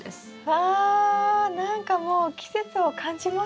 わ何かもう季節を感じますね。